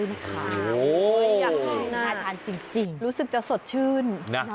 อยากกินนะรู้สึกจะสดชื่น